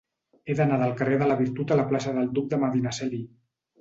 He d'anar del carrer de la Virtut a la plaça del Duc de Medinaceli.